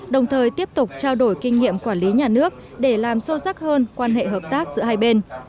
đồng thời tiếp tục trao đổi kinh nghiệm quản lý nhà nước để làm sâu sắc hơn quan hệ hợp tác giữa hai bên